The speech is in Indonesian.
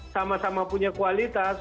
sama sama punya kualitas